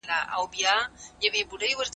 که جرګې ته لاړ شو نو فیصله نه خرابیږي.